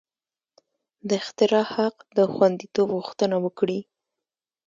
د اختراع حق د خوندیتوب غوښتنه وکړي.